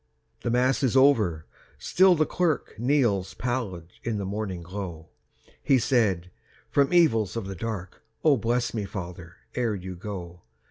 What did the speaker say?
The Mass is over—still the clerk Kneels pallid in the morning glow. He said, "From evils of the dark Oh, bless me, father, ere you go.